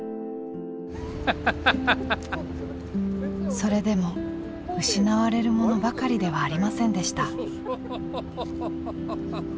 それでも失われるものばかりではありませんでした。